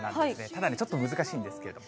ただね、ちょっと難しいんですけれど。